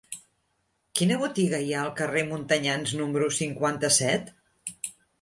Quina botiga hi ha al carrer de Montanyans número cinquanta-set?